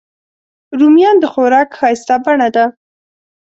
رومیان د خوراک ښایسته بڼه ده